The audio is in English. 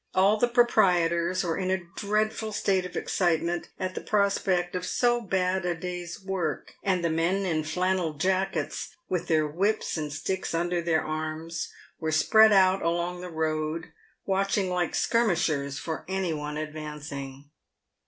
All the proprietors were in a dreadful state of excitement at the prospect of so bad a day's work, and the men in flannel jackets, with their whips and sticks under their arms, were spread out along the road, watching like skirmishers for any one advancing.